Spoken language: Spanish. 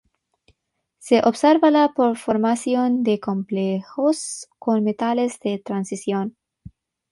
Se observa la formación de complejos con metales de transición.